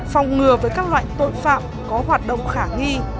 phòng ngừa với các loại tội phạm có hoạt động khả nghi